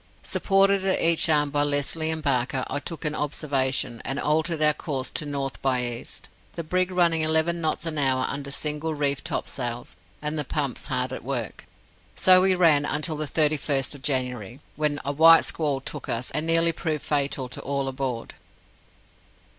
Supported at each arm by Lesly and Barker, I took an observation, and altered our course to north by east, the brig running eleven knots an hour under single reefed topsails, and the pumps hard at work. So we ran until the 31st of January, when a white squall took us, and nearly proved fatal to all aboard.